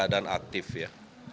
dalam keadaan aktif ya